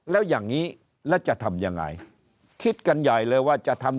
แล้วอย่างนี้แล้วจะทำยังไงคิดกันใหญ่เลยว่าจะทำ